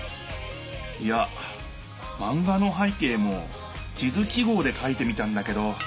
いやマンガの背景も地図記号でかいてみたんだけど。